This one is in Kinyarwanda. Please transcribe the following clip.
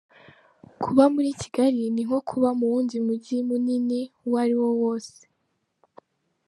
Kuba muri Kigali ni nko kuba mu wundi mujyi munini uwo ari wo wose.